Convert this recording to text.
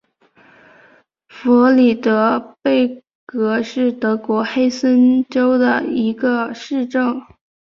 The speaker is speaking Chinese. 弗里德贝格是德国黑森州的一个市镇。